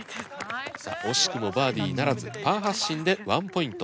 さあ惜しくもバーディーならずパー発進で１ポイント。